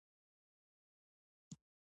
قیامت ورځ دومره سخته ده چې مور له اولاده تښتي.